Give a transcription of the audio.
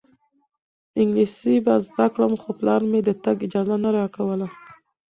انګلیسي به زده کړم خو پلار مې د تګ اجازه نه راکوله.